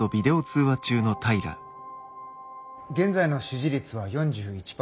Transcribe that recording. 現在の支持率は４１％。